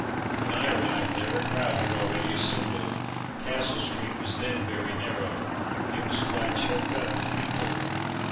When I arrived there, a crowd had already assembled. Castle street was then very narrow. It was quite choked up with people.